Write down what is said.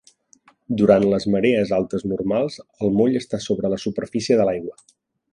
Durant les marees altes normals el moll està sobre la superfície de l'aigua.